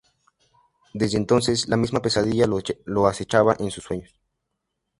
Desde entonces la misma pesadilla lo acechaba en sus sueños.